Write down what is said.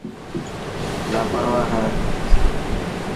لاپرواهه هي.